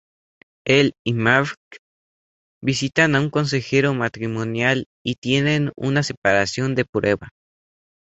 Él y Marge visitan a un consejero matrimonial y tienen una separación de prueba.